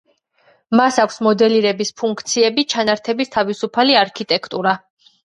მას აქვს მოდელირების ფუნქციები, ჩანართების თავისუფალი არქიტექტურა.